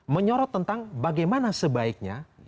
menyorot tentang bagaimana sebaiknya